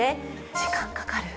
時間かかる。